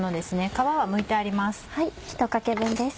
皮はむいてあります。